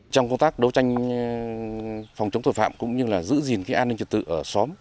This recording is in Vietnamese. trong công tác đấu tranh phòng chống tội phạm cũng như là giữ gìn an ninh trật tự ở xóm